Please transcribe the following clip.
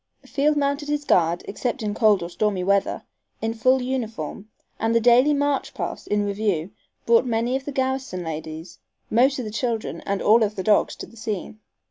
Field mounted his guard, except in cold or stormy weather, in full uniform, and the daily "march past" in review brought many of the garrison ladies, most of the children and all of the dogs to the scene.